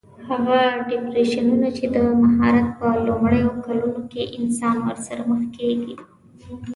هغه ډېپریشنونه چې د مهاجرت په لومړیو کلونو کې انسان ورسره مخ کېږي.